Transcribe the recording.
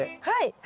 はい。